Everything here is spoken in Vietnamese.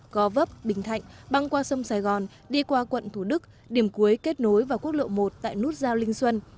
gò vấp bình thạnh băng qua sông sài gòn đi qua quận thủ đức điểm cuối kết nối vào quốc lộ một tại nút giao linh xuân